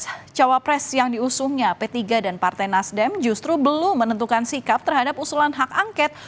capres cawapres yang diusungnya p tiga dan partai nasdem justru belum menentukan sikap terhadap usulan hak angket